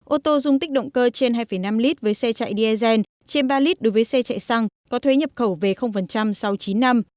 ô tô dung tích động cơ trên hai năm lít với xe chạy diesel trên ba lit đối với xe chạy xăng có thuế nhập khẩu về sau chín năm